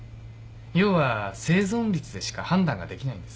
要は生存率でしか判断ができないんです。